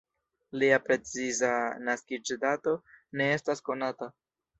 Lia preciza naskiĝdato ne estas konata.